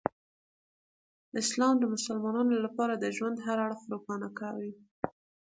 اسلام د مسلمانانو لپاره د ژوند هر اړخ روښانه کوي.